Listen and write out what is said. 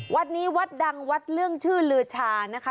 วัดนี้วัดดังวัดเรื่องชื่อลือชานะคะ